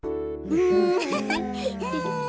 うん。